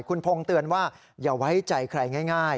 คุณพงศ์เตือนว่าอย่าไว้ใจใครง่าย